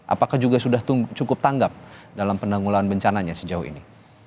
apakah juga sudah cukup tanggap dalam penanggulangan bencananya sejauh ini